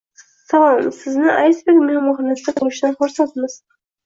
Salom! Sizni Iceberg mehmonxonasida ko'rishdan xursandmiz!